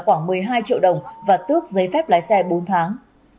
khoảng một mươi hai triệu đồng và tước giấy phép lái xe bốn tháng